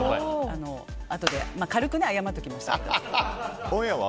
あとで軽く謝っておきました。